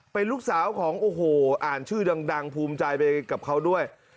เป็นลูกสาวของโอ้โหอ่านชื่อดังภูมิใจไปกับเขาด้วย